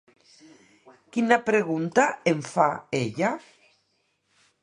Quina pregunta en fa ella?